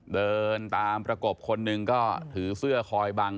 เดินตามประกบคนหนึ่งก็ถือเสื้อคอยบัง